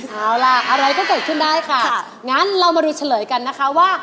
เอาล่ะอะไรก็เกิดขึ้นได้ค่ะงั้นเรามาดูเฉลยกันนะคะว่า